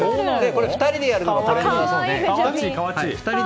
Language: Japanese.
２人でやるのがトレンドだそうで。